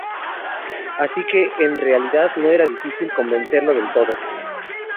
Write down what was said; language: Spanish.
Así que en realidad no era difícil convencerlo del todo.